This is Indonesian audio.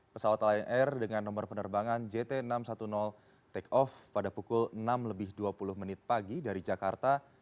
pesawat lion air dengan nomor penerbangan jt enam ratus sepuluh take off pada pukul enam lebih dua puluh menit pagi dari jakarta